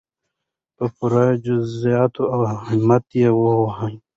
په پوره جرئت او همت یې ووهو.